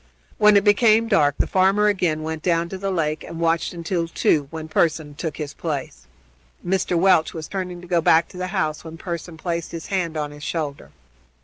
When it became dark the farmer again went down to the lake and watched until two, when Pearson took his place. Mr. Welch was turning to go back to the house when Pearson placed his hand on his shoulder.